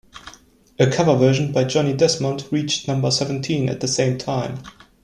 A cover version by Johnny Desmond reached number seventeen at the same time.